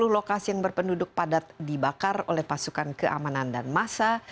delapan puluh lokasi yang berpenduduk padat dibakar oleh pasukan keamanan dan massa